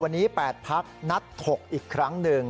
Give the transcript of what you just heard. วันนี้แปดพักษ์นัดถกอีกครั้งหนึ่ง